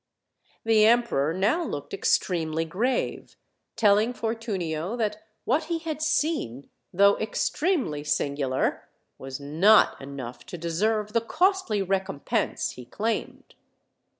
The emperor now looked extremely grave, telling For tunio that what he had seen, though extremely singular, was not enough to deserve the costly recompense he claimed.